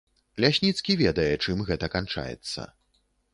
Лясніцкі ведае, чым гэта канчаецца.